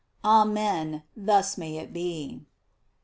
Amen, thus may it be.